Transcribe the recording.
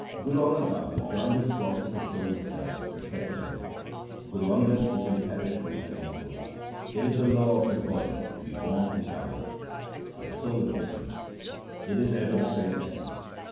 Guru Amar Das enjoined his flock to console themselves and said to them, ' Guru Angad is imperishable and immortal. It is a law of the body to be born and die, but the soul is different. It is ever the same essence.